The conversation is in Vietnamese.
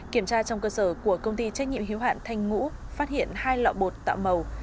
kiểm tra trong cơ sở của công ty trách nhiệm hiếu hạn thanh ngũ phát hiện hai lọ bột tạo màu